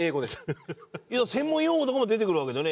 専門用語とかも出てくるわけだよね？